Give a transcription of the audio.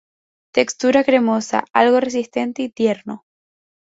Textura cremosa, algo resistente y tierno.